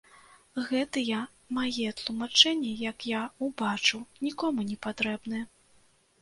Гэтыя мае тлумачэнні, як я ўбачыў, нікому не патрэбны.